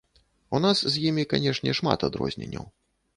У нас з імі, канешне, шмат адрозненняў.